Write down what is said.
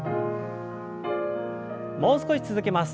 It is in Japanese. もう少し続けます。